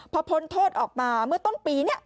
พอพ้นโทษออกมาเมื่อต้นปีนี้